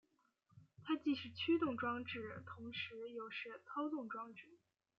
它既是驱动装置同时又是操纵装置。